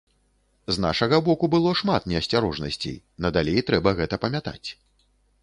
З нашага боку было шмат неасцярожнасцей, надалей трэба гэта памятаць.